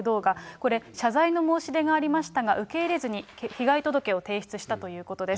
これ、謝罪の申し出がありましたが、受け入れずに、被害届を提出したということです。